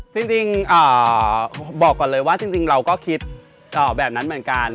จริงบอกก่อนเลยว่าจริงเราก็คิดแบบนั้นเหมือนกัน